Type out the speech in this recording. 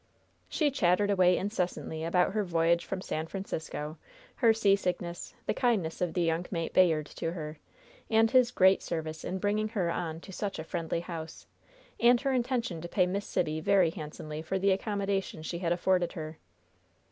She chattered away incessantly about her voyage from San Francisco, her seasickness, the kindness of the young mate Bayard to her, and his great service in bringing her on to such a friendly house, and her intention to pay Miss Sibby very handsomely for the accommodation she had afforded her.